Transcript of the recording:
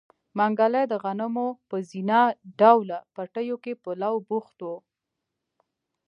منګلی د غنمو په زينه ډوله پټيو کې په لو بوخت و.